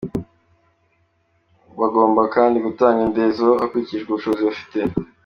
Bagomba kandi gutanga indezo hakurikijwe ubushobozi babifitiye.